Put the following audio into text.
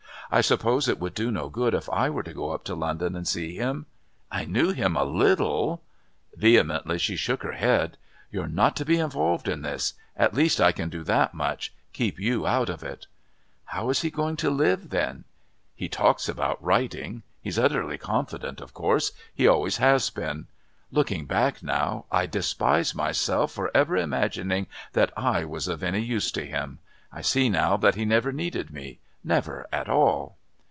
"I suppose it would do no good if I were to go up to London and see him? I knew him a little " Vehemently she shook her head. "You're not to be involved in this. At least I can do that much keep you out of it." "How is he going to live, then?" "He talks about writing. He's utterly confident, of course. He always has been. Looking back now, I despise myself for ever imagining that I was of any use to him. I see now that he never needed me never at all."